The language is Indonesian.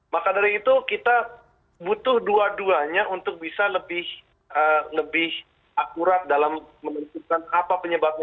maka dari itu kita butuh dua duanya untuk bisa lebih akurat dalam menentukan apa penyebabnya